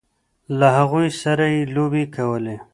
له هغوی سره یې لوبې کولې.